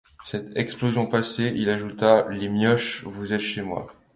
Cette explosion passée, il ajouta: — Les mioches, vous êtes chez moi.